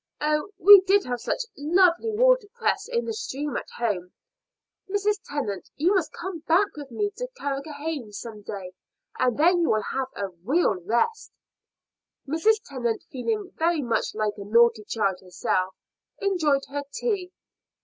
Oh, we did have such lovely water cress in the stream at home! Mrs. Tennant, you must come back with me to Carrigrohane some day, and then you will have a real rest." Mrs. Tennant, feeling very much like a naughty child herself, enjoyed her tea.